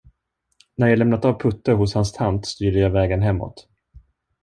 När jag lämnat av Putte hos hans tant, styrde jag vägen hemåt.